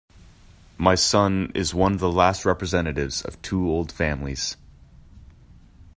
My son is one of the last representatives of two old families.